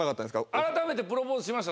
改めてプロポーズしました。